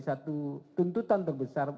satu tuntutan terbesar